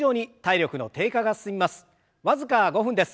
僅か５分です。